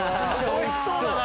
美味しそうだな。